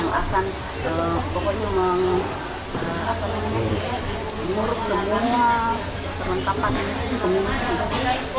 mengurus semua perlengkapan pengungsi